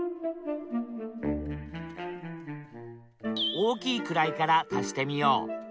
大きい位から足してみよう。